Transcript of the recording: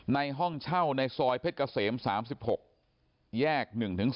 ในห้องเช่าในซอยเพชรเกษม๓๖แยก๑๒